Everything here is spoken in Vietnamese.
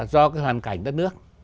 do cái hoàn cảnh đất nước